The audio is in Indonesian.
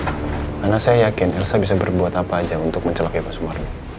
karena saya yakin elsa bisa berbuat apa aja untuk mencelakai pak sumarno